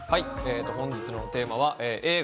本日のテーマは映画『